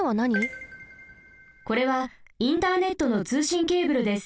これはインターネットのつうしんケーブルです。